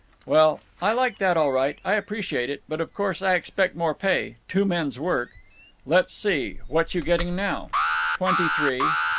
"Well, I like that all right. I appreciate it. But of course I expect more pay—two men's work—" "Let's see; what you getting now?" "Twenty three."